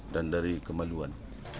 dan dari kemaluan